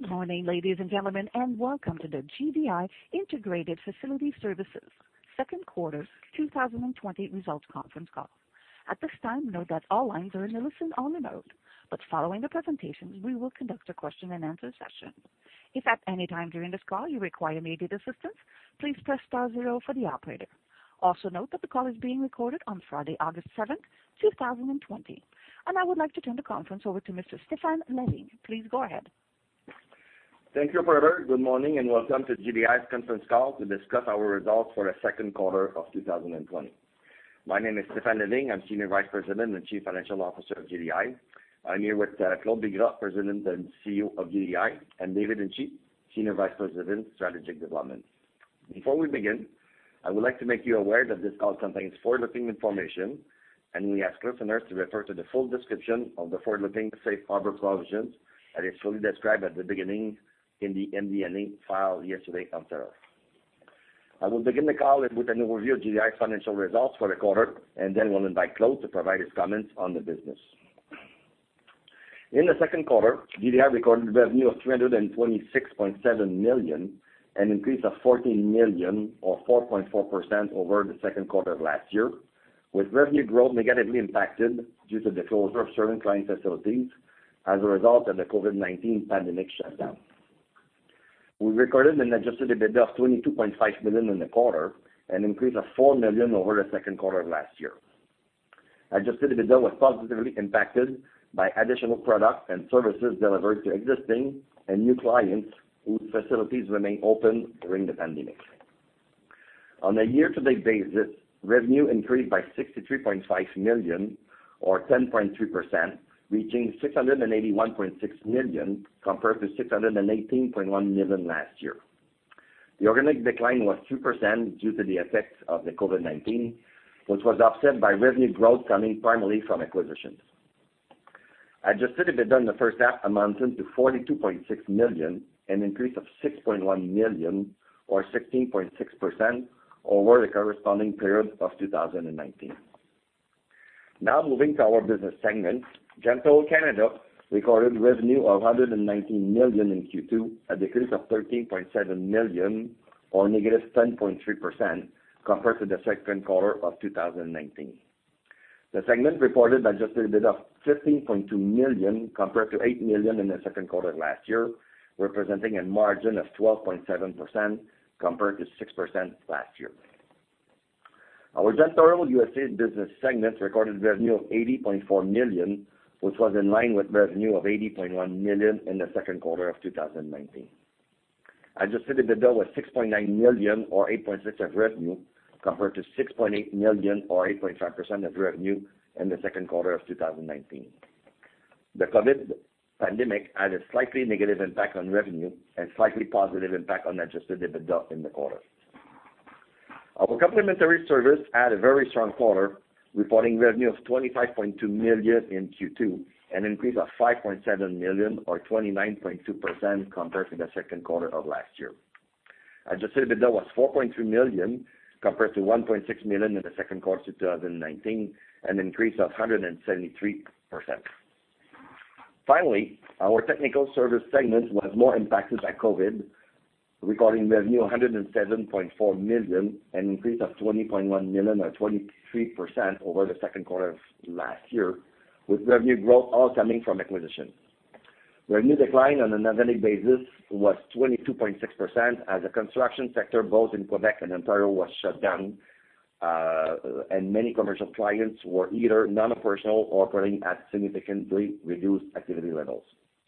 Good morning, ladies and gentlemen, and welcome to the GDI Integrated Facility Services Second Quarter 2020 Results Conference Call. At this time, note that all lines are in the listen-only mode, but following the presentation, we will conduct a question-and-answer session. If at any time during this call you require immediate assistance, please press star zero for the operator. Also note that the call is being recorded on Friday, August 7th, 2020, and I would like to turn the conference over to Mr. Stéphane Lavigne. Please go ahead. Thank you, brother. Good morning and welcome to GDI's Conference Call to discuss our results for the second quarter of 2020. My name is Stéphane Lavigne. I'm Senior Vice President and Chief Financial Officer of GDI. I'm here with Claude Bigras, President and CEO of GDI, and David Hinchey, Senior Vice President, strategic development. Before we begin, I would like to make you aware that this call contains forward-looking information, and we ask listeners to refer to the full description of the forward-looking Safe Harbor provisions as it's fully described at the beginning in the MD&A filed yesterday on Thursday. I will begin the call with an overview of GDI's financial results for the quarter, and then we'll invite Claude to provide his comments on the business. In the second quarter, GDI recorded revenue of 326.7 million and increased to 14 million, or 4.4%, over the second quarter of last year, with revenue growth negatively impacted due to the closure of certain client facilities as a result of the COVID-19 pandemic shutdown. We recorded an adjusted EBITDA of 22.5 million in the quarter and increased to 4 million over the second quarter of last year. Adjusted EBITDA was positively impacted by additional products and services delivered to existing and new clients whose facilities remain open during the pandemic. On a year-to-date basis, revenue increased by 63.5 million, or 10.3%, reaching 681.6 million compared to 618.1 million last year. The organic decline was 2% due to the effects of the COVID-19, which was offset by revenue growth coming primarily from acquisitions. Adjusted EBITDA in the first half amounted to 42.6 million and increased to 6.1 million, or 16.6%, over the corresponding period of 2019. Now moving to our business segments, Janitorial Canada recorded revenue of 119 million in Q2, a decrease of 13.7 million, or -10.3%, compared to the second quarter of 2019. The segment reported adjusted EBITDA of 15.2 million compared to 8 million in the second quarter of last year, representing a margin of 12.7% compared to 6% last year. Our Janitorial U.S.A. business segment recorded revenue of 80.4 million, which was in line with revenue of 80.1 million in the second quarter of 2019. Adjusted EBITDA was 6.9 million, or 8.6% of revenue, compared to 6.8 million, or 8.5% of revenue in the second quarter of 2019. The COVID pandemic had a slightly negative impact on revenue and slightly positive impact on adjusted EBITDA in the quarter. Our Complementary Services had a very strong quarter, reporting revenue of 25.2 million in Q2 and an increase of 5.7 million, or 29.2%, compared to the second quarter of last year. Adjusted EBITDA was 4.3 million compared to 1.6 million in the second quarter of 2019, an increase of 173%. Finally, our Technical Services segment was more impacted by COVID, recording revenue of 107.4 million and an increase of 20.1 million, or 23%, over the second quarter of last year, with revenue growth all coming from acquisitions. Revenue decline on an organic basis was 22.6% as the construction sector, both in Quebec and Ontario, was shut down, and many commercial clients were either non-operational or operating at significantly reduced activity levels.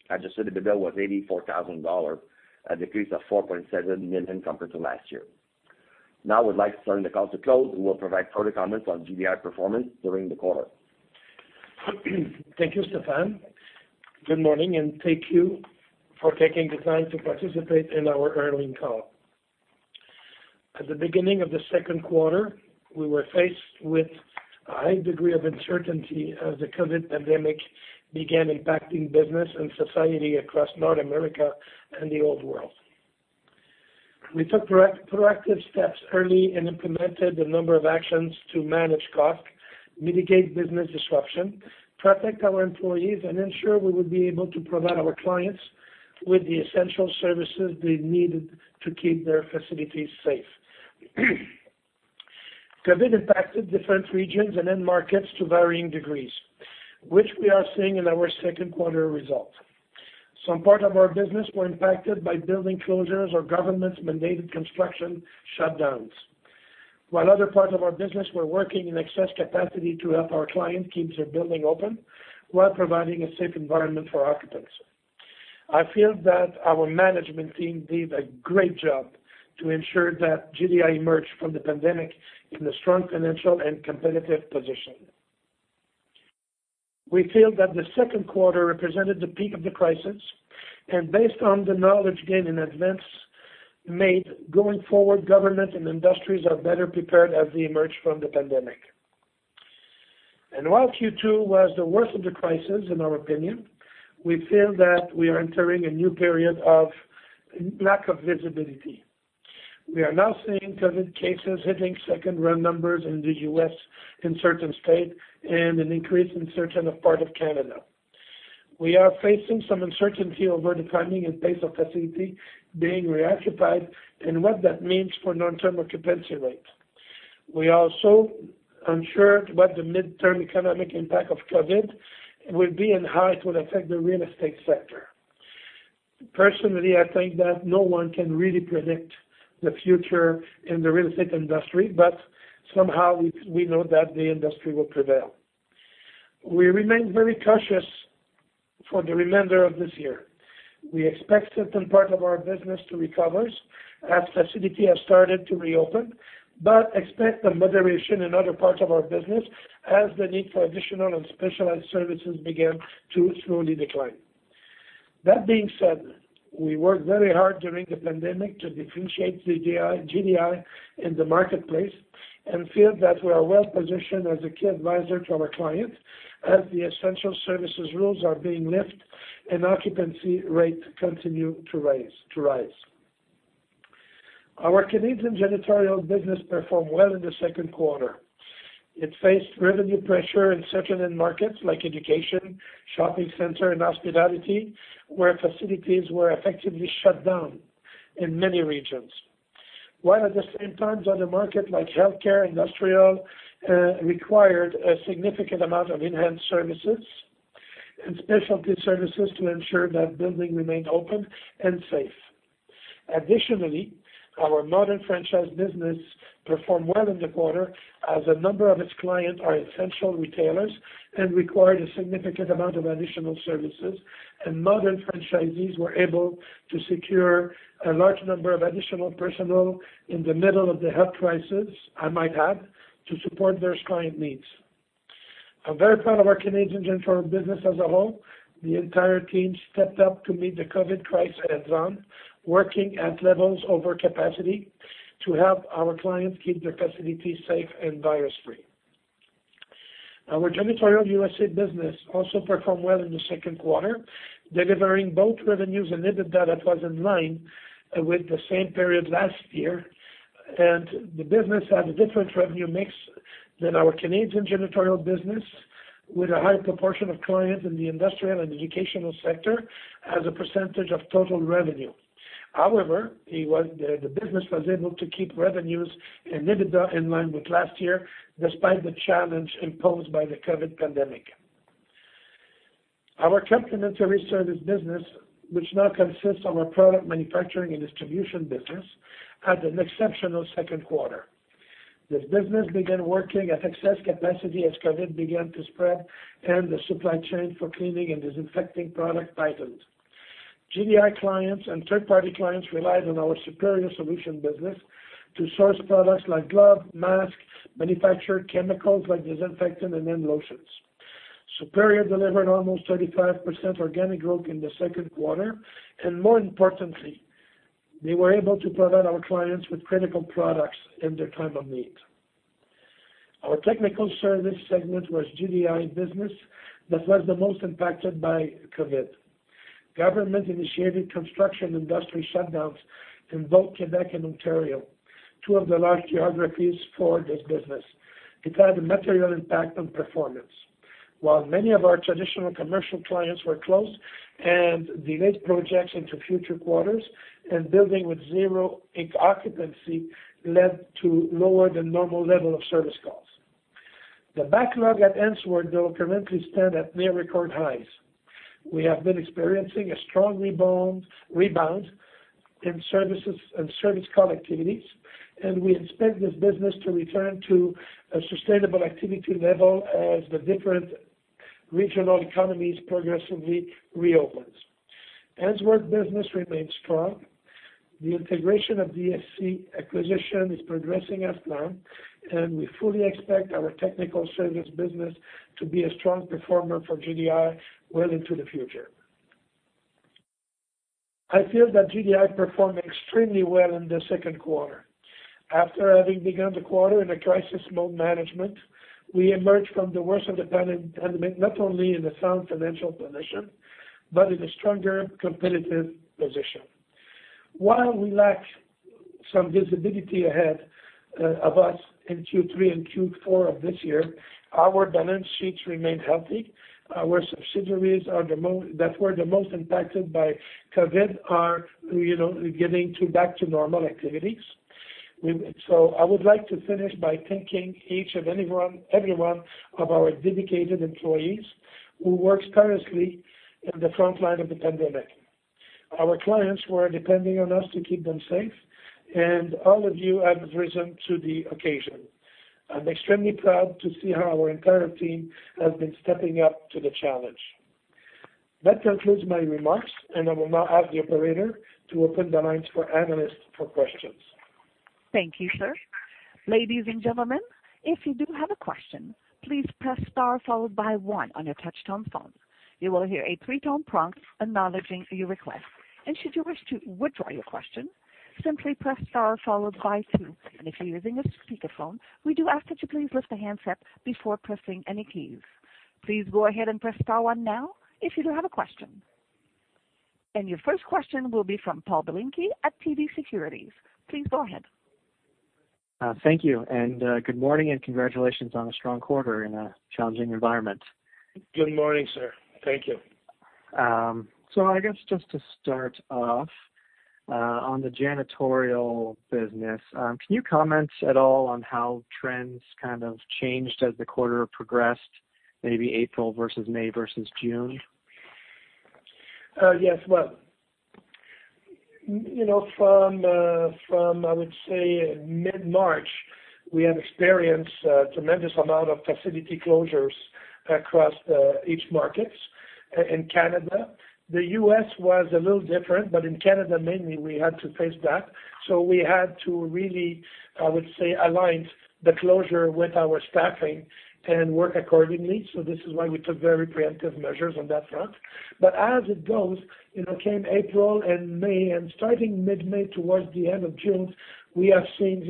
Adjusted EBITDA was 84,000 dollars, a decrease of 4.7 million compared to last year. Now I would like to turn the call to Claude, who will provide further comments on GDI performance during the quarter. Thank you, Stéphane. Good morning, and thank you for taking the time to participate in our earnings call. At the beginning of the second quarter, we were faced with a high degree of uncertainty as the COVID pandemic began impacting business and society across North America and the old world. We took proactive steps early and implemented a number of actions to manage costs, mitigate business disruption, protect our employees, and ensure we would be able to provide our clients with the essential services they needed to keep their facilities safe. COVID impacted different regions and end markets to varying degrees, which we are seeing in our second quarter results. Some parts of our business were impacted by building closures or government-mandated construction shutdowns, while other parts of our business were working in excess capacity to help our clients keep their building open while providing a safe environment for occupants. I feel that our management team did a great job to ensure that GDI emerged from the pandemic in a strong financial and competitive position. We feel that the second quarter represented the peak of the crisis, and based on the knowledge gain in advance, going forward, government and industries are better prepared as they emerge from the pandemic, and while Q2 was the worst of the crisis, in our opinion, we feel that we are entering a new period of lack of visibility. We are now seeing COVID cases hitting second-run numbers in the U.S. in certain states and an increase in certain parts of Canada. We are facing some uncertainty over the timing and pace of facilities being reoccupied and what that means for long-term occupancy rates. We are also unsure what the midterm economic impact of COVID will be and how it will affect the real estate sector. Personally, I think that no one can really predict the future in the real estate industry, but somehow we know that the industry will prevail. We remain very cautious for the remainder of this year. We expect certain parts of our business to recover as facilities have started to reopen, but expect some moderation in other parts of our business as the need for additional and specialized services begins to slowly decline. That being said, we worked very hard during the pandemic to differentiate GDI in the marketplace and feel that we are well-positioned as a key advisor to our clients as the essential services rules are being lifted and occupancy rates continue to rise. Our Canadian janitorial business performed well in the second quarter. It faced revenue pressure in certain end markets like education, shopping centers, and hospitality, where facilities were effectively shut down in many regions, while at the same time, other markets like healthcare, industrial, required a significant amount of enhanced services and specialty services to ensure that buildings remained open and safe. Additionally, our modern franchise business performed well in the quarter as a number of its clients are essential retailers and required a significant amount of additional services, and modern franchisees were able to secure a large number of additional personnel in the middle of the health crisis, I might add, to support their client needs. I'm very proud of our Canadian janitorial business as a whole. The entire team stepped up to meet the COVID crisis head-on, working at levels over capacity to help our clients keep their facilities safe and virus-free. Our janitorial U.S.A. business also performed well in the second quarter, delivering both revenues and EBITDA that was in line with the same period last year, and the business had a different revenue mix than our Canadian janitorial business, with a higher proportion of clients in the industrial and educational sector as a percentage of total revenue. However, the business was able to keep revenues and EBITDA in line with last year despite the challenge imposed by the COVID pandemic. Our complementary service business, which now consists of our product manufacturing and distribution business, had an exceptional second quarter. The business began working at excess capacity as COVID began to spread and the supply chain for cleaning and disinfecting products tightened. GDI clients and third-party clients relied on our Superior Solutions Business to source products like gloves, masks, manufactured chemicals like disinfectants, and lotions. Superior delivered almost 35% organic growth in the second quarter, and more importantly, they were able to provide our clients with critical products in their time of need. Our technical service segment was GDI business that was the most impacted by COVID. Government-initiated construction industry shutdowns in both Quebec and Ontario, two of the large geographies for this business. It had a material impact on performance. While many of our traditional commercial clients were closed and delayed projects into future quarters, and building with zero occupancy led to lower than normal levels of service calls. The backlog at Ainsworth, though, currently stands at near record highs. We have been experiencing a strong rebound in service call activities, and we expect this business to return to a sustainable activity level as the different regional economies progressively reopen. Ainsworth business remains strong. The integration of ESC acquisition is progressing as planned, and we fully expect our technical service business to be a strong performer for GDI well into the future. I feel that GDI performed extremely well in the second quarter. After having begun the quarter in a crisis mode management, we emerged from the worst of the pandemic not only in a sound financial position but in a stronger competitive position. While we lack some visibility ahead of us in Q3 and Q4 of this year, our balance sheets remained healthy. Our subsidiaries that were the most impacted by COVID are getting back to normal activities. So I would like to finish by thanking each and every one of our dedicated employees who worked tirelessly at the front line of the pandemic. Our clients were depending on us to keep them safe, and all of you have risen to the occasion. I'm extremely proud to see how our entire team has been stepping up to the challenge. That concludes my remarks, and I will now ask the operator to open the lines for analysts for questions. Thank you, sir. Ladies and gentlemen, if you do have a question, please press star followed by one on your touch-tone phone. You will hear a three-tone prompt acknowledging your request. And should you wish to withdraw your question, simply press star followed by two. And if you're using a speakerphone, we do ask that you please lift the handset before pressing any keys. Please go ahead and press star one now if you do have a question. And your first question will be from Paul Berberich at TD Securities. Please go ahead. Thank you, and good morning, and congratulations on a strong quarter in a challenging environment. Good morning, sir. Thank you. So I guess just to start off on the janitorial business, can you comment at all on how trends kind of changed as the quarter progressed, maybe April vs May vs June? Yes. Well, from, I would say, mid-March, we have experienced a tremendous amount of facility closures across each market in Canada. The U.S. was a little different, but in Canada, mainly, we had to face that. So we had to really, I would say, align the closure with our staffing and work accordingly. So this is why we took very preemptive measures on that front. But as it goes, came April and May, and starting mid-May towards the end of June, we have seen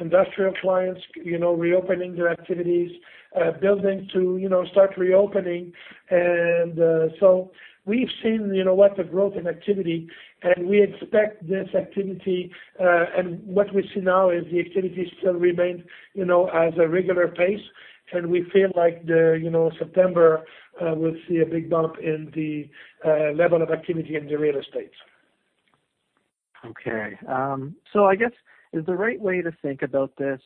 industrial clients reopening their activities, buildings to start reopening. And so we've seen what the growth in activity, and we expect this activity and what we see now is the activity still remained at a regular pace. And we feel like September, we'll see a big bump in the level of activity in the real estate. Okay. So I guess is the right way to think about this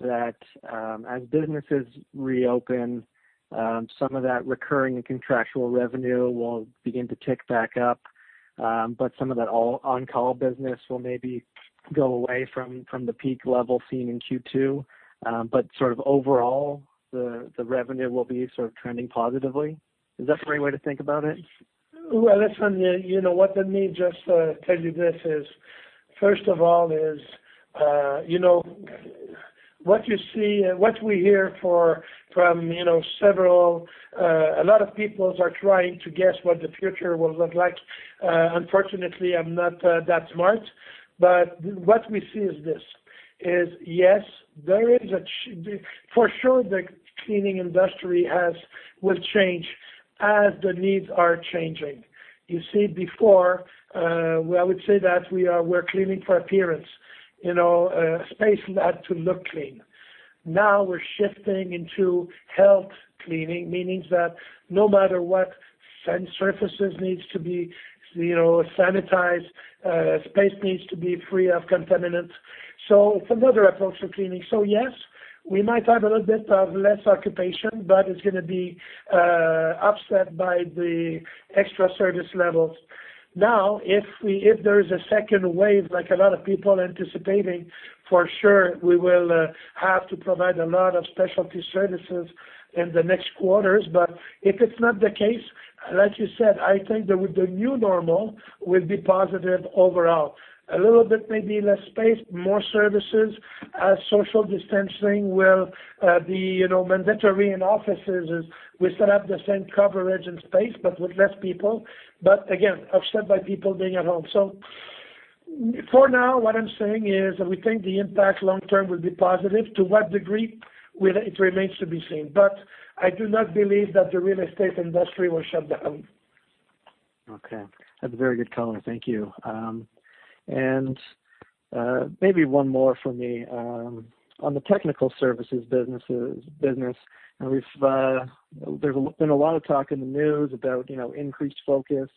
that as businesses reopen, some of that recurring and contractual revenue will begin to tick back up, but some of that on-call business will maybe go away from the peak level seen in Q2. But sort of overall, the revenue will be sort of trending positively. Is that the right way to think about it? That's funny. What I mean just to tell you this is, first of all, what you see and what we hear from several a lot of people are trying to guess what the future will look like. Unfortunately, I'm not that smart, but what we see is this: yes, there is, for sure, the cleaning industry will change as the needs are changing. You see, before, I would say that we're cleaning for appearance, a space that had to look clean. Now we're shifting into health cleaning, meaning that no matter what, surfaces need to be sanitized, space needs to be free of contaminants. So it's another approach to cleaning. So yes, we might have a little bit of less occupation, but it's going to be offset by the extra service levels. Now, if there is a second wave, like a lot of people anticipating, for sure, we will have to provide a lot of specialty services in the next quarters. But if it's not the case, like you said, I think the new normal will be positive overall. A little bit maybe less space, more services, social distancing will be mandatory in offices. We set up the same coverage and space, but with less people, but again, offset by people being at home. So for now, what I'm saying is we think the impact long-term will be positive. To what degree? It remains to be seen. But I do not believe that the real estate industry will shut down. Okay. That's a very good color. Thank you. And maybe one more for me on the technical services business. There's been a lot of talk in the news about increased focus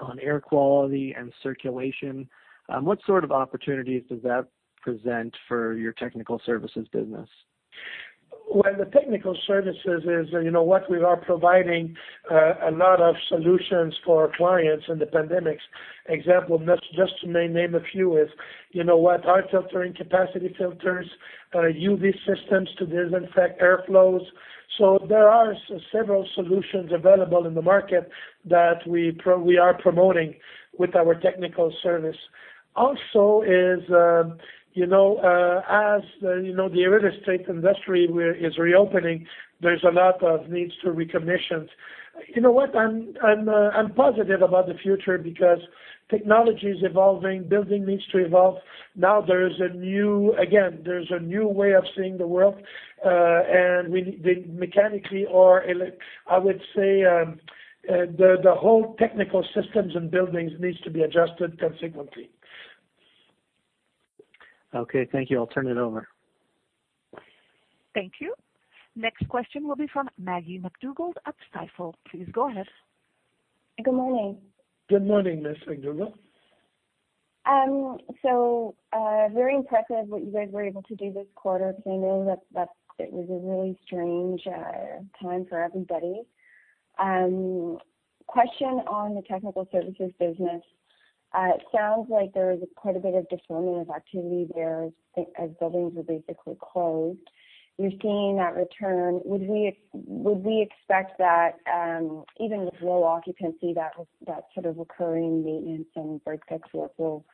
on air quality and circulation. What sort of opportunities does that present for your technical services business? The technical services is what we are providing a lot of solutions for our clients in the pandemic. Example, just to name a few, is water filtering, capacity filters, UV Systems to disinfect airflows. So there are several solutions available in the market that we are promoting with our technical service. Also is, as the real estate industry is reopening, there's a lot of needs to be reconditioned. You know what? I'm positive about the future because technology is evolving, buildings need to evolve. Now there is a new, again, there's a new way of seeing the world, and mechanically or, I would say, the whole technical systems and buildings need to be adjusted consistently. Okay. Thank you. I'll turn it over. Thank you. Next question will be from Maggie MacDougall at Stifel. Please go ahead. Good morning. Good morning, Ms. MacDougall. Very impressive what you guys were able to do this quarter because I know that it was a really strange time for everybody. Question on the technical services business. It sounds like there was quite a bit of disruptive activity there as buildings were basically closed. You're seeing that return. Would we expect that even with low occupancy that sort of recurring maintenance and break-up work will,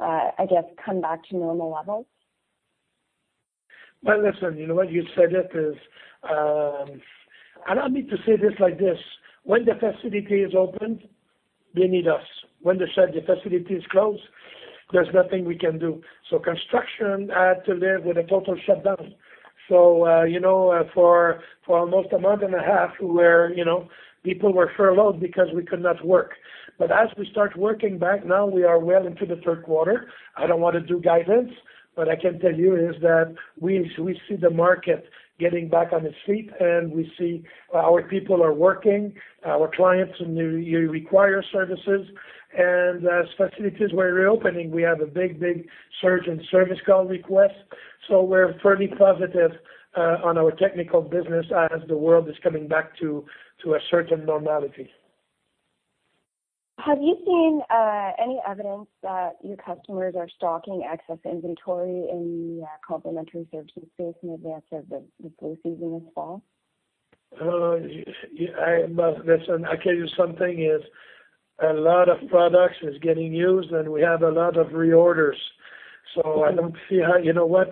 I guess, come back to normal levels? Listen, you know what? You said it is. I don't need to say this like this. When the facility is open, they need us. When they said the facility is closed, there's nothing we can do. So construction had to live with a total shutdown. For almost a month and a half, people were furloughed because we could not work. But as we start working back now, we are well into the third quarter. I don't want to do guidance, but I can tell you is that we see the market getting back on its feet, and we see our people are working, our clients require services, and as facilities were reopening, we have a big, big surge in service call requests, so we're fairly positive on our technical business as the world is coming back to a certain normality. Have you seen any evidence that your customers are stocking excess inventory in the complementary services space in advance of the flu season this fall? Listen, I'll tell you something is a lot of products are getting used, and we have a lot of reorders. So I don't see how you know what?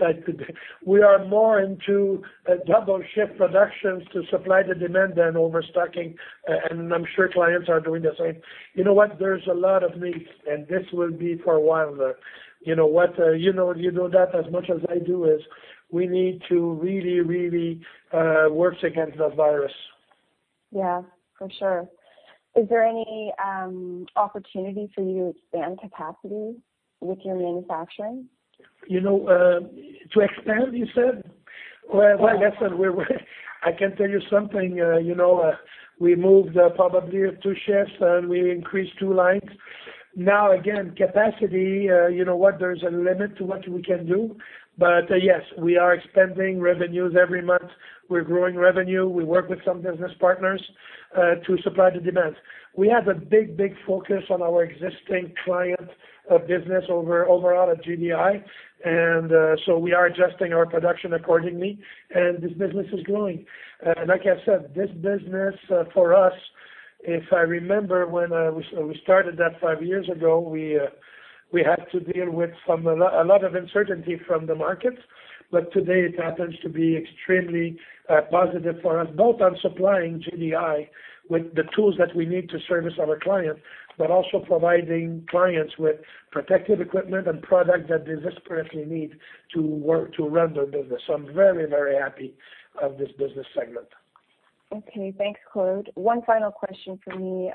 We are more into double-shift productions to supply the demand than overstocking, and I'm sure clients are doing the same. You know what? There's a lot of needs, and this will be for a while. You know what? You know you do that as much as I do is we need to really, really work against the virus. Yeah, for sure. Is there any opportunity for you to expand capacity with your manufacturing? To expand, you said? Well, listen, I can tell you something. We moved probably two shifts, and we increased two lines. Now, again, capacity, you know what? There's a limit to what we can do. But yes, we are expanding revenues every month. We're growing revenue. We work with some business partners to supply the demand. We have a big, big focus on our existing client business overall at GDI, and so we are adjusting our production accordingly, and this business is growing. Like I said, this business for us, if I remember when we started that five years ago, we had to deal with a lot of uncertainty from the markets. But today, it happens to be extremely positive for us, both on supplying GDI with the tools that we need to service our clients, but also providing clients with protective equipment and products that they desperately need to run their business. So I'm very, very happy of this business segment. Okay. Thanks, Claude. One final question for me.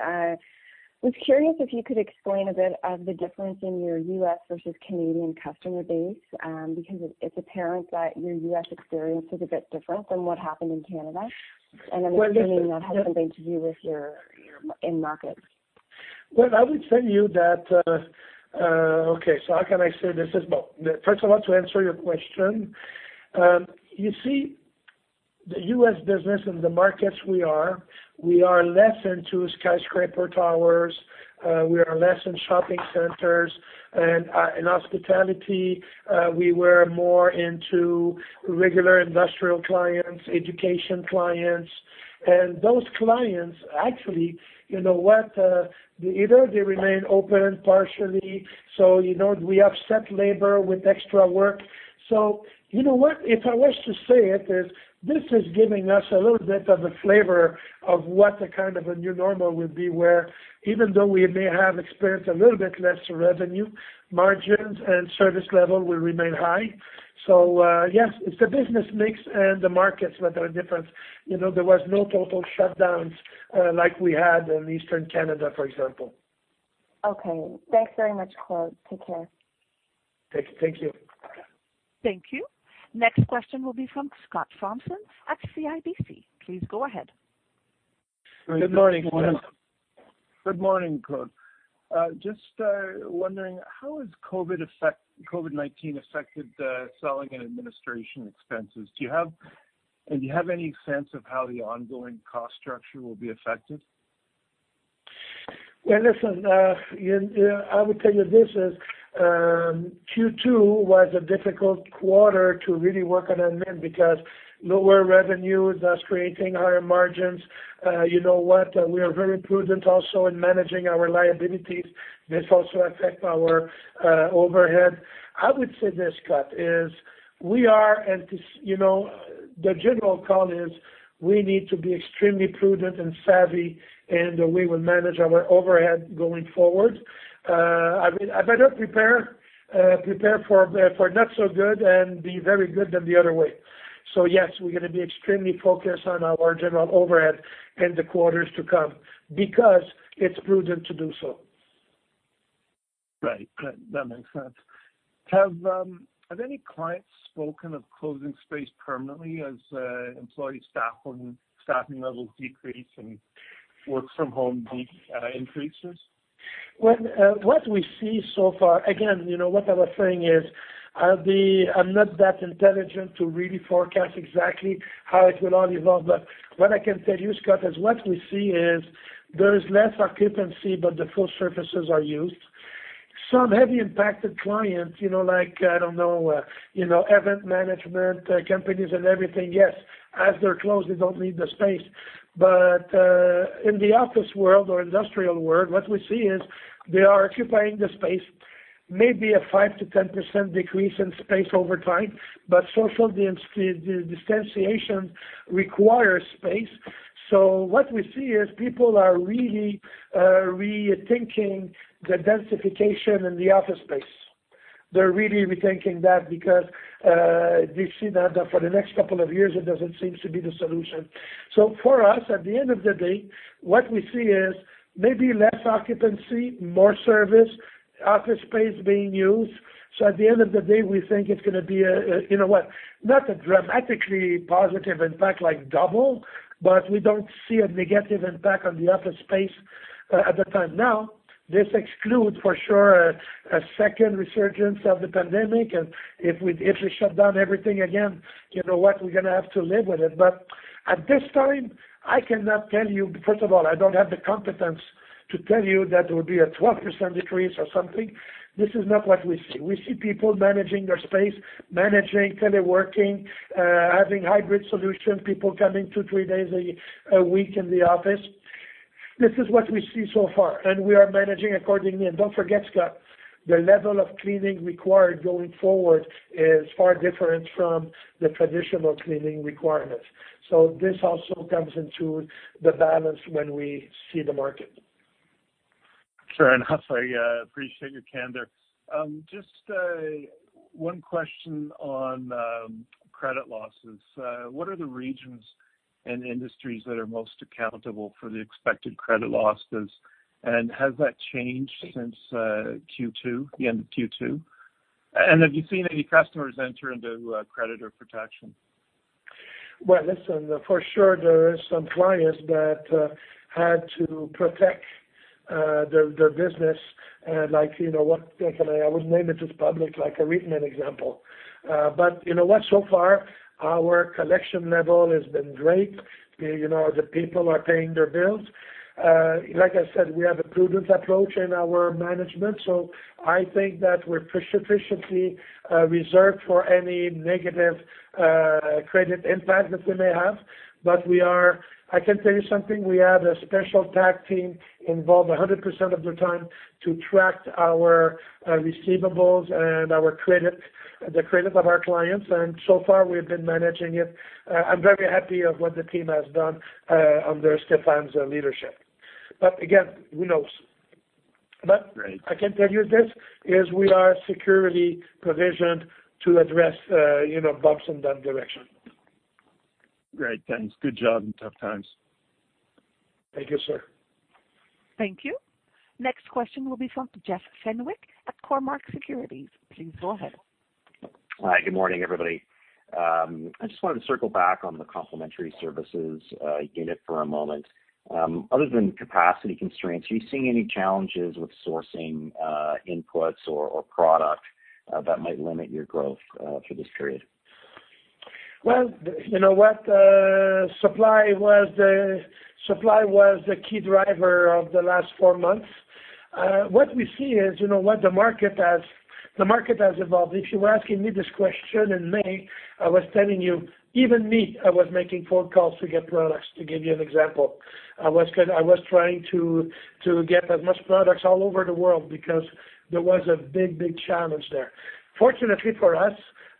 I was curious if you could explain a bit of the difference in your U.S. vs Canadian customer base because it's apparent that your U.S. experience is a bit different than what happened in Canada, and I'm assuming that has something to do with your end market. I would tell you that okay, so how can I say this? First of all, to answer your question, you see, the U.S. business and the markets we are, we are less into skyscraper towers. We are less in shopping centers and hospitality. We were more into regular industrial clients, education clients. And those clients, actually, you know what? Either they remain open partially. So we upset labor with extra work. So you know what? If I was to say it, this is giving us a little bit of a flavor of what the kind of a new normal would be where even though we may have experienced a little bit less revenue, margins and service level will remain high. So yes, it's the business mix and the markets that are different. There was no total shutdowns like we had in Eastern Canada, for example. Okay. Thanks very much, Claude. Take care. Thank you. Thank you. Next question will be from Scott Fromson at CIBC. Please go ahead. Good morning, Claude. Good morning, Claude. Just wondering, how has COVID-19 affected selling and administration expenses? And do you have any sense of how the ongoing cost structure will be affected? Well, listen, I would tell you this, Q2 was a difficult quarter to really work on our name because lower revenues are creating higher margins. You know what? We are very prudent also in managing our liabilities. This also affects our overhead. I would say this, Scott, is we are and the general call is we need to be extremely prudent and savvy in the way we manage our overhead going forward. I better prepare for not so good and be very good than the other way. So yes, we're going to be extremely focused on our general overhead in the quarters to come because it's prudent to do so. Right. That makes sense. Have any clients spoken of closing space permanently as employee staffing levels decrease and work-from-home increases? What we see so far, again, what I was saying is I'm not that intelligent to really forecast exactly how it will all evolve. But what I can tell you, Scott, is what we see is there is less occupancy, but the full services are used. Some heavily impacted clients, like I don't know, event management companies and everything, yes, as they're closed, they don't need the space. But in the office world or industrial world, what we see is they are occupying the space. Maybe a 5%-10% decrease in space over time, but social distancing requires space. What we see is people are really rethinking the densification in the office space. They're really rethinking that because they see that for the next couple of years, it doesn't seem to be the solution. For us, at the end of the day, what we see is maybe less occupancy, more service, office space being used. So at the end of the day, we think it's going to be, you know what? Not a dramatically positive impact like double, but we don't see a negative impact on the office space at the time. Now, this excludes for sure a second resurgence of the pandemic. And if we shut down everything again, you know what? We're going to have to live with it. But at this time, I cannot tell you, first of all, I don't have the competence to tell you that there would be a 12% decrease or something. This is not what we see. We see people managing their space, managing, teleworking, having hybrid solutions, people coming two, three days a week in the office. This is what we see so far. We are managing accordingly. And don't forget, Scott, the level of cleaning required going forward is far different from the traditional cleaning requirements. This also comes into the balance when we see the market. Sure. And I appreciate your candor. Just one question on credit losses. What are the regions and industries that are most accountable for the expected credit losses? And has that changed since Q2, the end of Q2? And have you seen any customers enter into credit or protection? Listen, for sure, there are some clients that had to protect their business. Like what? I wouldn't name it as public. I'll read an example. But you know what? So far, our collection level has been great. The people are paying their bills. Like I said, we have a prudent approach in our management. So I think that we're efficiently reserved for any negative credit impact that we may have. But I can tell you something. We have a special task team involved 100% of the time to track our receivables and the credit of our clients. And so far, we have been managing it. I'm very happy of what the team has done under Stéphane's leadership. But again, who knows? But I can tell you this is we are securely provisioned to address bumps in that direction. Great. Thanks. Good job in tough times. Thank you, sir. Thank you. Next question will be from Jeff Fenwick at Cormark Securities. Please go ahead. Hi. Good morning, everybody. I just wanted to circle back on the complementary services unit for a moment. Other than capacity constraints, are you seeing any challenges with sourcing inputs or product that might limit your growth for this period? You know what? Supply was the key driver of the last four months. What we see is, you know what? The market has evolved. If you were asking me this question in May, I was telling you, even me, I was making phone calls to get products, to give you an example. I was trying to get as much products all over the world because there was a big, big challenge there. Fortunately for us,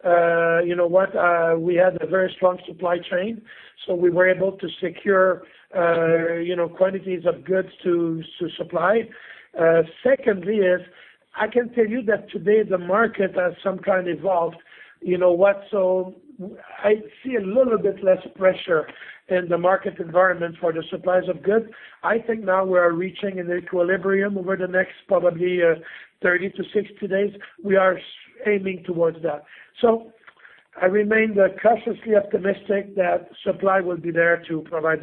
you know what? We had a very strong supply chain, so we were able to secure quantities of goods to supply. Secondly, I can tell you that today, the market has sometimes evolved. You know what? So I see a little bit less pressure in the market environment for the supplies of goods. I think now we are reaching an equilibrium over the next probably 30-60 days. We are aiming towards that. So I remain cautiously optimistic that supply will be there to provide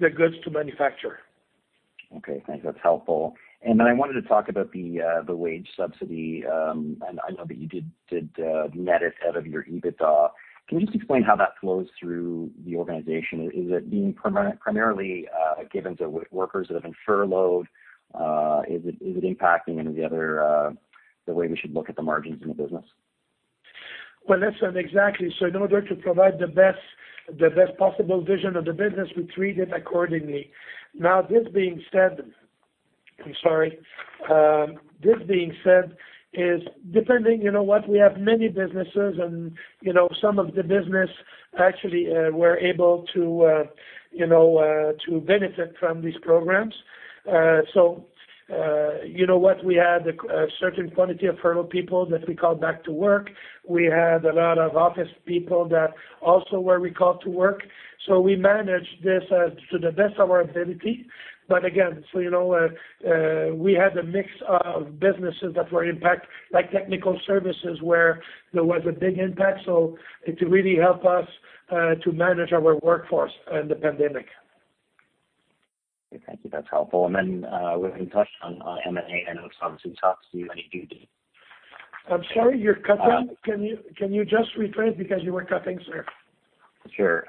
the goods to manufacture. Okay. Thanks. That's helpful. And then I wanted to talk about the wage subsidy. And I know that you did net it out of your EBITDA. Can you just explain how that flows through the organization? Is it being primarily given to workers that have been furloughed? Is it impacting any of the other way we should look at the margins in the business? Well, listen, exactly. So in order to provide the best possible vision of the business, we treat it accordingly. Now, this being said, I'm sorry. This being said, depending, you know what? We have many businesses, and some of the business actually were able to benefit from these programs. So you know what? We had a certain quantity of furloughed people that we called back to work. We had a lot of office people that also were recalled to work. So we managed this to the best of our ability. But again, so you know, we had a mix of businesses that were impacted, like technical services, where there was a big impact. So it really helped us to manage our workforce in the pandemic. Thank you. That's helpful, and then we haven't touched on M&A and those things we talked to you and you did. I'm sorry, you're cutting. Can you just rephrase? Because you were cutting, sir. Sure.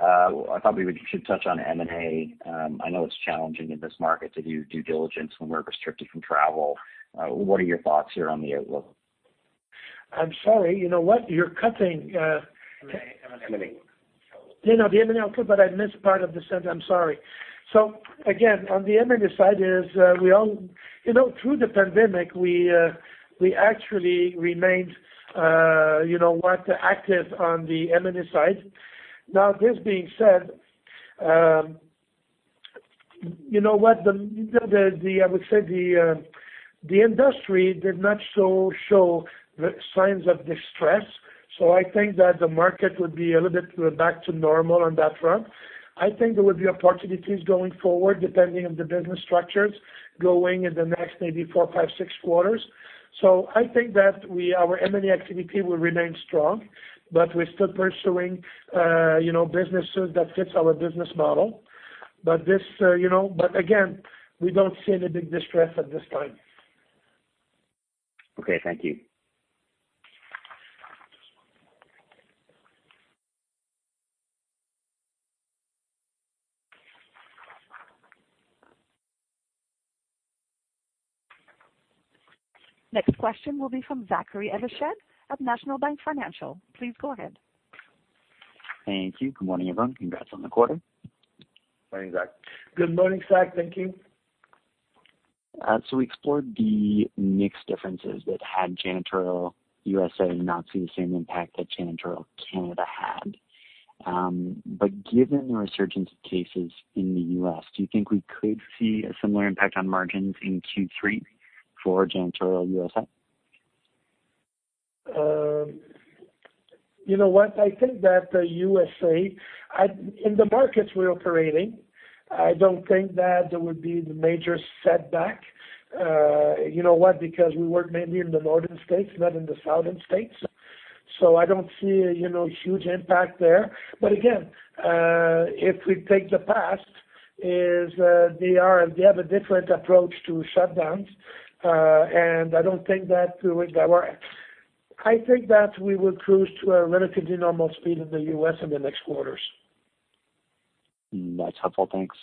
I thought we should touch on M&A. I know it's challenging in this market to do due diligence when we're restricted from travel. What are your thoughts here on the outlook? I'm sorry. You know what? You're cutting. M&A. Yeah, no, the M&A outlook, but I missed part of the sentence. I'm sorry. So again, on the M&A side, we all through the pandemic, we actually remained, you know what, active on the M&A side. Now, this being said, you know what? I would say the industry did not show signs of distress. So I think that the market would be a little bit back to normal on that front. I think there would be opportunities going forward, depending on the business structures, going in the next maybe four, five, six quarters. So I think that our M&A activity will remain strong, but we're still pursuing businesses that fit our business model. But again, we don't see any big distress at this time. Okay. Thank you. Next question will be from Zachary Evershed at National Bank Financial. Please go ahead. Thank you. Good morning, everyone. Congrats on the quarter. Morning, Zach. Good morning, Zach. Thank you. We explored the mixed differences that had janitorial U.S.A. not see the same impact that janitorial Canada had. Given the resurgence of cases in the U.S., do you think we could see a similar impact on margins in Q3 for Janitorial U.S.A.? You know what? I think that U.S.A., in the markets we're operating, I don't think that there would be the major setback. You know what? Because we work mainly in the northern states, not in the southern states. So I don't see a huge impact there. But again, if we take the past, they have a different approach to shutdowns. And I don't think that we're going to, I think that we will cruise to a relatively normal speed in the U.S. in the next quarters. That's helpful. Thanks.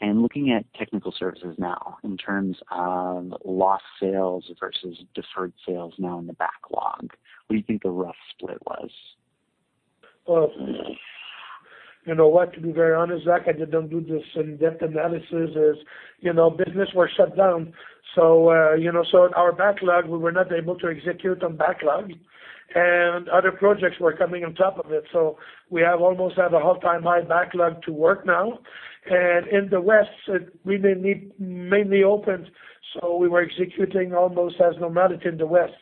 And looking at technical services now, in terms of lost sales vs deferred sales now in the backlog, what do you think the rough split was? You know what? To be very honest, Zach, I didn't do this in-depth analysis. Business was shut down. So our backlog, we were not able to execute on backlog. And other projects were coming on top of it. So we have almost had a half-time high backlog to work now. And in the West, we mainly opened. So we were executing almost as normality in the West.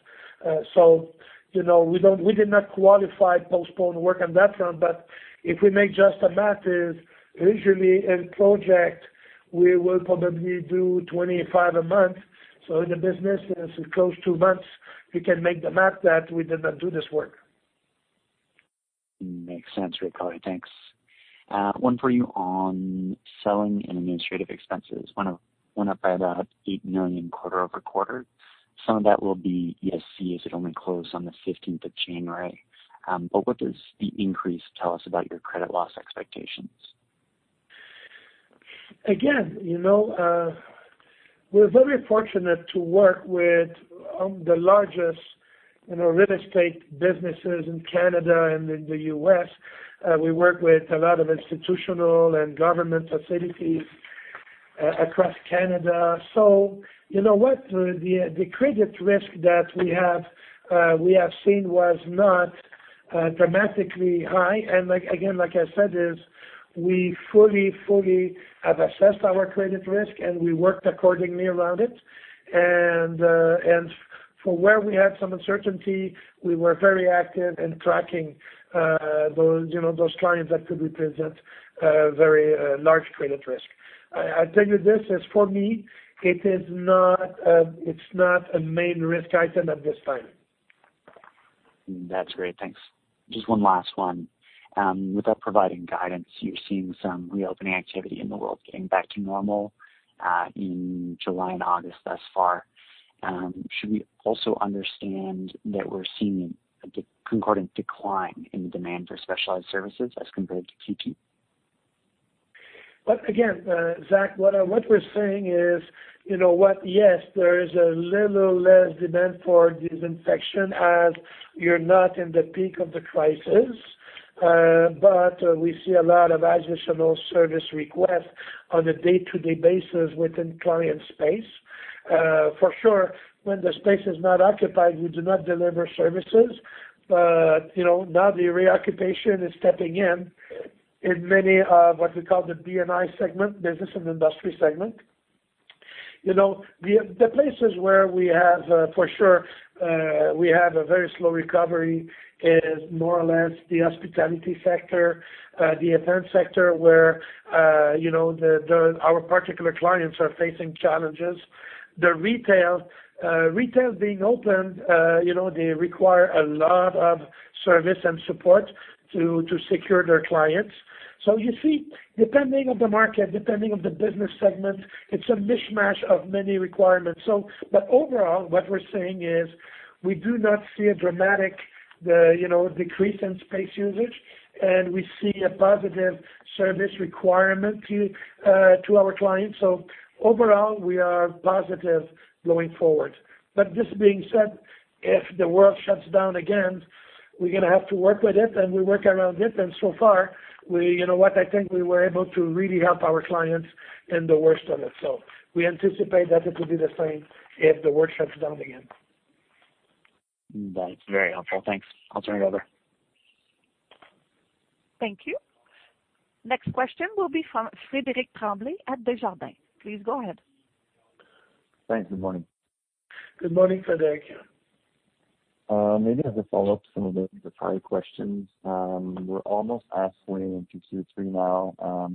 So we did not qualify postponed work on that front. But if we make just a map, usually in project, we will probably do 25 a month. So in the business, it's close to months. You can make the map that we did not do this work. Makes sense. Great qualities. Thanks. One for you on selling and administrative expenses. Went up by about 8 million quarter over quarter. Some of that will be ESC as it only closed on the 15th of January. But what does the increase tell us about your credit loss expectations? Again, we're very fortunate to work with the largest real estate businesses in Canada and in the U.S.. We work with a lot of institutional and government facilities across Canada. So you know what? The credit risk that we have seen was not dramatically high. And again, like I said, we fully have assessed our credit risk, and we worked accordingly around it. And for where we had some uncertainty, we were very active in tracking those clients that could represent very large credit risk. I'll tell you this is, for me, it's not a main risk item at this time. That's great. Thanks. Just one last one. With that providing guidance, you're seeing some reopening activity in the world getting back to normal in July and August thus far. Should we also understand that we're seeing a concordant decline in the demand for specialized services as compared to Q2? But again, Zach, what we're saying is, yes, there is a little less demand for disinfection as you're not in the peak of the crisis. But we see a lot of additional service requests on a day-to-day basis within client space. For sure, when the space is not occupied, we do not deliver services. But now the reoccupation is stepping in in many of what we call the B&I segment, Business and Industry segment. The places where we have, for sure, we have a very slow recovery is more or less the hospitality sector, the event sector, where our particular clients are facing challenges. The retail, retail being opened, they require a lot of service and support to secure their clients. So you see, depending on the market, depending on the business segment, it's a mishmash of many requirements. But overall, what we're saying is we do not see a dramatic decrease in space usage. And we see a positive service requirement to our clients. So overall, we are positive going forward. But this being said, if the world shuts down again, we're going to have to work with it, and we work around it. And so far, you know what? I think we were able to really help our clients in the worst of it. So we anticipate that it will be the same if the world shuts down again. That's very helpful. Thanks. I'll turn it over. Thank you. Next question will be from Frédéric Tremblay at Desjardins. Please go ahead. Thanks. Good morning. Good morning, Frédéric. Maybe as a follow-up to some of the prior questions, we're almost halfway into Q3 now.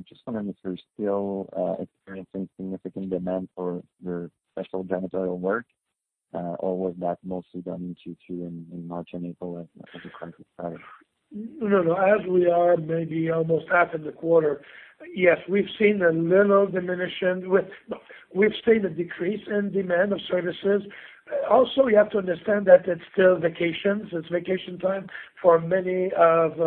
Just wondering if you're still experiencing significant demand for your special janitorial work, or was that mostly done in Q2 in March and April as a crisis started? No, no, no. As we are maybe almost half in the quarter, yes, we've seen a little diminishment. We've seen a decrease in demand of services. Also, you have to understand that it's still vacations. It's vacation time for many of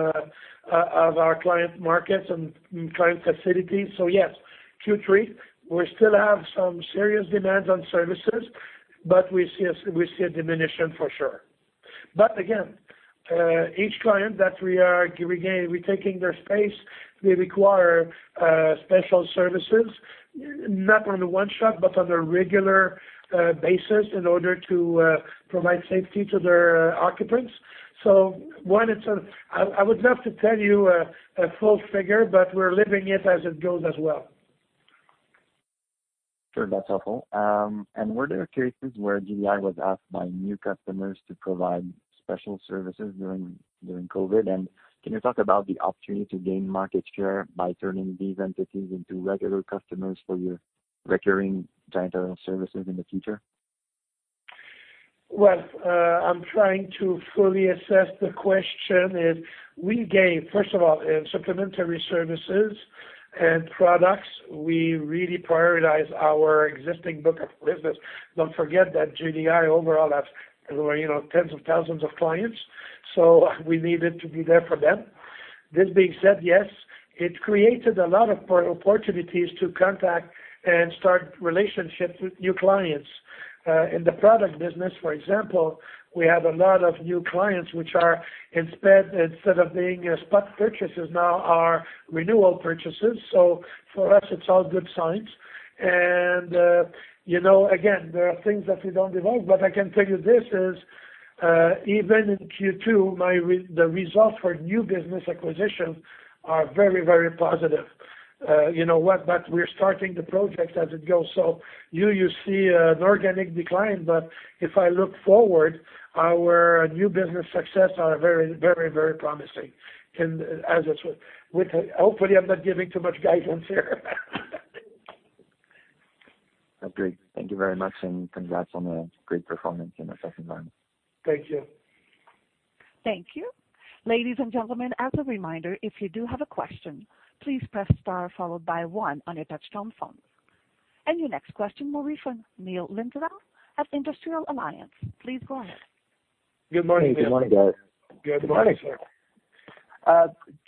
our client markets and client facilities. So yes, Q3, we still have some serious demands on services, but we see a diminishment for sure. But again, each client that we are retaking their space, they require special services, not on a one-shot, but on a regular basis in order to provide safety to their occupants. So one, I would love to tell you a full figure, but we're living it as it goes as well. Sure. That's helpful. And were there cases where GDI was asked by new customers to provide special services during COVID? And can you talk about the opportunity to gain market share by turning these entities into regular customers for your recurring janitorial services in the future? I'm trying to fully assess the question. First of all, supplementary services and products, we really prioritize our existing book of business. Don't forget that GDI overall has tens of thousands of clients. So we needed to be there for them. This being said, yes, it created a lot of opportunities to contact and start relationships with new clients. In the product business, for example, we have a lot of new clients, which instead of being spot purchases, now are renewal purchases. So for us, it's all good signs. And again, there are things that we don't evolve. But I can tell you this is, even in Q2, the results for new business acquisitions are very, very positive. You know what? But we're starting the projects as it goes. So you see an organic decline. But if I look forward, our new business successes are very, very promising. Hopefully, I'm not giving too much guidance here. Great. Thank you very much, and congrats on the great performance in the second round. Thank you. Thank you. Ladies and gentlemen, as a reminder, if you do have a question, please press star followed by one on your touch-tone phone. And your next question will be from Neil Linsdell at Industrial Alliance. Please go ahead. Good morning. Good morning, guys. Good morning.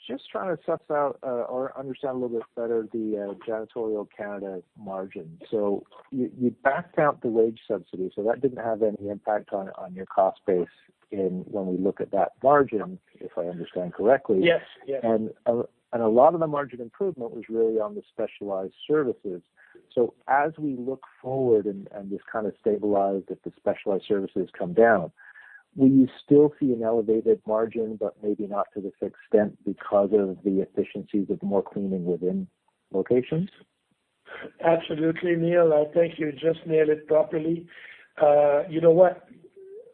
Just trying to suss out or understand a little bit better the janitorial Canada margin. So you backed out the wage subsidy. So that didn't have any impact on your cost base when we look at that margin, if I understand correctly? Yes, yes. A lot of the margin improvement was really on the specialized services. As we look forward and this kind of stabilized that the specialized services come down, will you still see an elevated margin, but maybe not to this extent because of the efficiencies of more cleaning within locations? Absolutely, Neil. I think you just nailed it properly. You know what?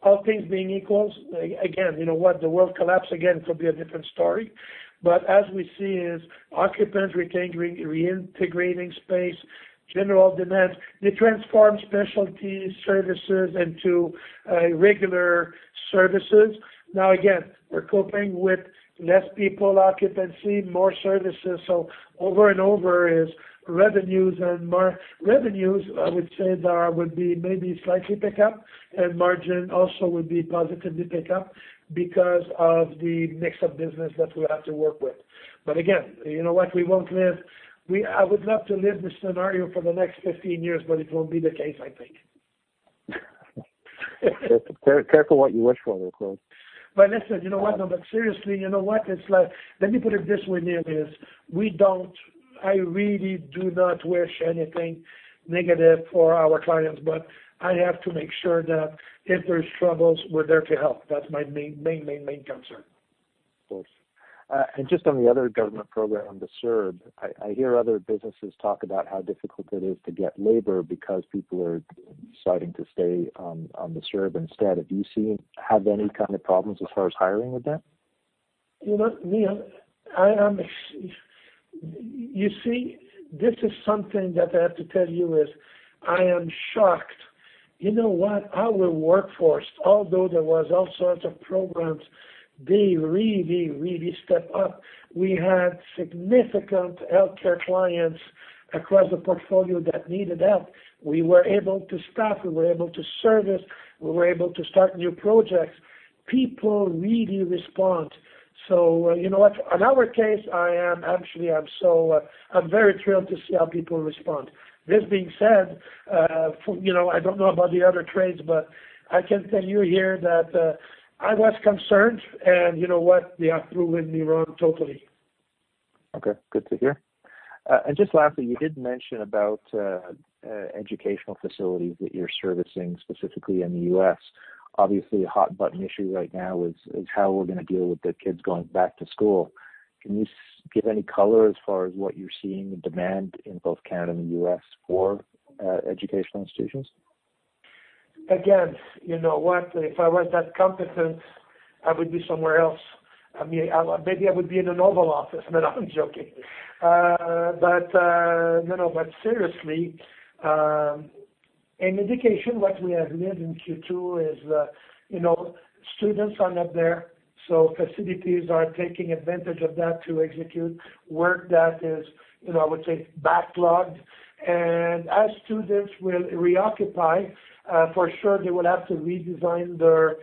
All things being equal, again, you know what? The world collapsed again could be a different story. But as we see, as occupants return reintegrating space, general demand, they transform specialty services into regular services. Now, again, we're coping with less people, occupancy, more services. So overall is revenues. And revenues, I would say, would be maybe slightly picked up. And margin also would be positively picked up because of the mix of business that we have to work with. But again, you know what? We won't live. I would love to live this scenario for the next 15 years, but it won't be the case, I think. Careful what you wish for, of course. But listen, you know what? No, but seriously, you know what? Let me put it this way, Neil, is we don't. I really do not wish anything negative for our clients. But I have to make sure that if there's troubles, we're there to help. That's my main, main, main, main concern. Of course. And just on the other government program, the CERB, I hear other businesses talk about how difficult it is to get labor because people are deciding to stay on the CERB instead. Have you seen any kind of problems as far as hiring with that? You know, Neil, you see, this is something that I have to tell you is I am shocked. You know what? Our workforce, although there were all sorts of programs, they really, really stepped up. We had significant healthcare clients across the portfolio that needed that. We were able to staff. We were able to service. We were able to start new projects. People really respond. So you know what? On our case, I am actually, I'm very thrilled to see how people respond. This being said, I don't know about the other trades, but I can tell you here that I was concerned. And you know what? They are throwing me wrong totally. Okay. Good to hear. And just lastly, you did mention about educational facilities that you're servicing specifically in the U.S.. Obviously, a hot-button issue right now is how we're going to deal with the kids going back to school. Can you give any color as far as what you're seeing in demand in both Canada and the U.S. for educational institutions? Again, you know what? If I was that competent, I would be somewhere else. Maybe I would be in a novel office. No, no, I'm joking. But no, no. But seriously, in education, what we have lived in Q2 is students are not there. So facilities are taking advantage of that to execute work that is, I would say, backlogged. And as students will reoccupy, for sure, they will have to redesign their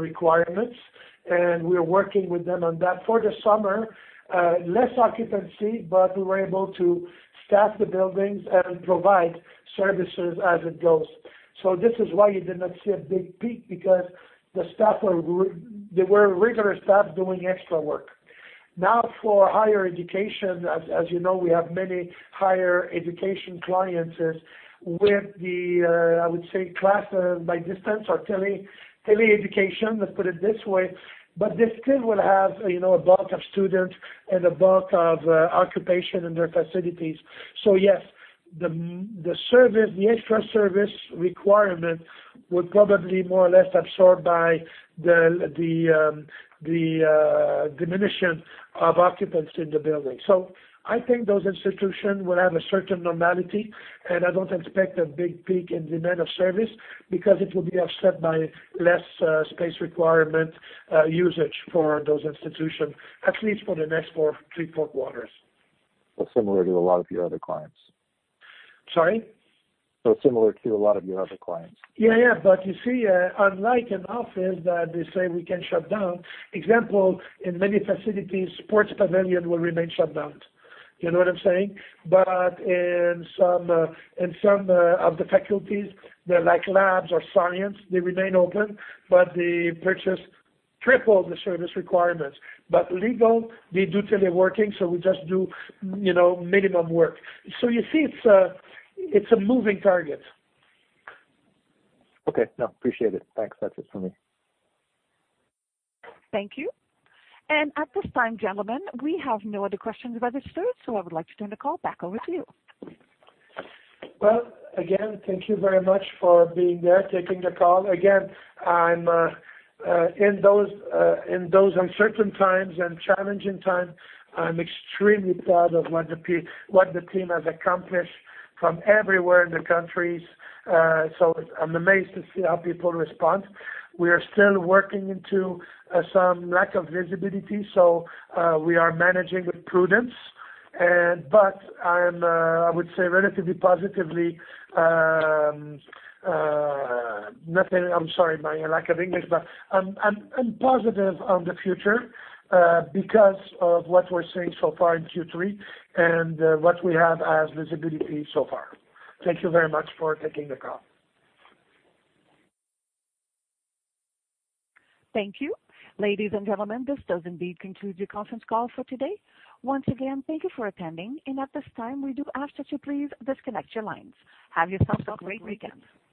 requirements. And we're working with them on that. For the summer, less occupancy, but we were able to staff the buildings and provide services as it goes. So this is why you did not see a big peak because the staff were regular staff doing extra work. Now, for higher education, as you know, we have many higher education clients with the, I would say, class by distance or tele-education, let's put it this way. But the school will have a bulk of students and a bulk of occupation in their facilities. So yes, the extra service requirement will probably more or less be absorbed by the diminishment of occupants in the building. So I think those institutions will have a certain normality. And I don't expect a big peak in demand of service because it will be offset by less space requirement usage for those institutions, at least for the next three, four quarters. That's similar to a lot of your other clients. Sorry? That's similar to a lot of your other clients. Yeah, yeah. But you see, unlike an office that they say we can shut down, example, in many facilities, sports pavilion will remain shut down. You know what I'm saying? But in some of the facilities, they're like labs or science, they remain open, but they purchase triple the service requirements. But legal, they do tele-working. So we just do minimum work. So you see, it's a moving target. Okay. No, appreciate it. Thanks. That's it for me. Thank you. And at this time, gentlemen, we have no other questions registered. So I would like to turn the call back over to you. Again, thank you very much for being there, taking the call. Again, in those uncertain times and challenging times, I'm extremely proud of what the team has accomplished from everywhere in the countries. I'm amazed to see how people respond. We are still working into some lack of visibility. We are managing with prudence. I would say relatively positively, nothing. I'm sorry, my lack of English, but I'm positive on the future because of what we're seeing so far in Q3 and what we have as visibility so far. Thank you very much for taking the call. Thank you. Ladies and gentlemen, this does indeed conclude your conference call for today. Once again, thank you for attending. And at this time, we do ask that you please disconnect your lines. Have yourself a great weekend.